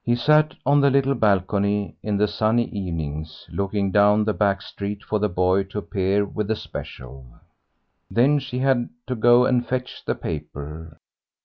He sat on the little balcony in the sunny evenings looking down the back street for the boy to appear with the "special." Then she had to go and fetch the paper.